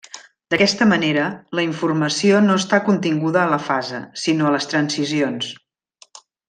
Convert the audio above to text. D’aquesta manera, la informació no està continguda a la fase, sinó a les transicions.